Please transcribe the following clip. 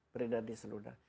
beredar di seludar